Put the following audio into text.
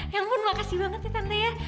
ya ampun makasih banget nih tante ya